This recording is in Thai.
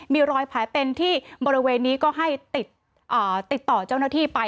มีรอยแผลเป็นที่บริเวณนี้ก็ให้ติดต่อเจ้าหน้าที่ไป